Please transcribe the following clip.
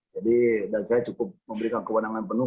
jadi dan saya cukup memberikan kewenangan penuh